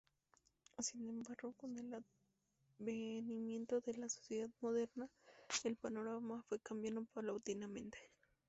Sin embargo, con el advenimiento de la sociedad moderna, el panorama fue cambiando paulatinamente.